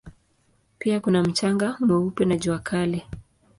Pia kuna mchanga mweupe na jua kali.